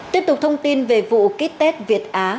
tiếp tục thông tin về vụ kết tết việt á